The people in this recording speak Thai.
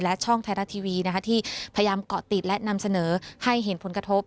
และช่องไทยรัฐทีวีที่พยายามเกาะติดและนำเสนอให้เห็นผลกระทบ